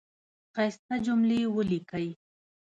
ښایسته جملی ولیکی